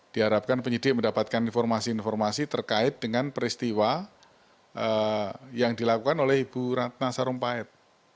diharapkan penyidik mendapatkan informasi informasi terkait dengan peristiwa yang dilakukan oleh ibu ratna sarumpait